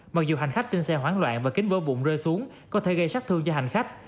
mặc dù hành khách trên xe hoảng loạn và kính vỡ bụng rơi xuống có thể gây sát thương cho hành khách